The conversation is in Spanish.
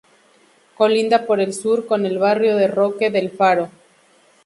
Colinda por el Sur con el barrio de Roque del Faro.